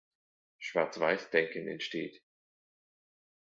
Schwarz-Weiß-Denken entsteht.